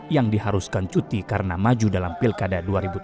yang diharuskan cuti karena maju dalam pilkada dua ribu tujuh belas